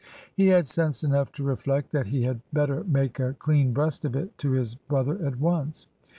He had sense enough to reflect that he had better make a clean breast of it to his brother at once.